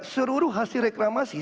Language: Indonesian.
seluruh hasil reklamasi